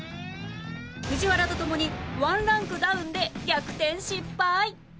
藤原と共に１ランクダウンで逆転失敗！